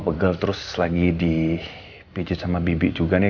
begel terus lagi dipijet sama bibik juga nih